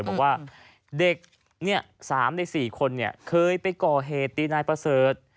บอกว่าเด็ก๓ใน๔คนเคยไปก่อเหตุตีนายประเสริฐ